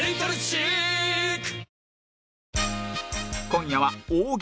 今夜は